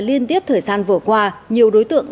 liên tiếp thời gian vừa qua nhiều đối tượng